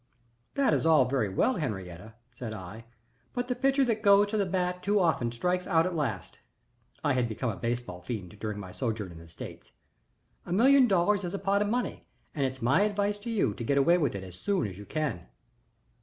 "That is all very well, Henriette," said I. "But the pitcher that goes to the bat too often strikes out at last." (I had become a baseball fiend during my sojourn in the States.) "A million dollars is a pot of money, and it's my advice to you to get away with it as soon as you can."